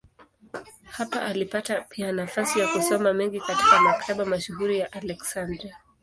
Hapa alipata pia nafasi ya kusoma mengi katika maktaba mashuhuri ya Aleksandria.